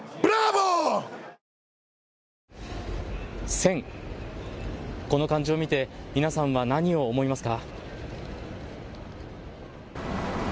戦、この漢字を見て皆さんは何を思いますか。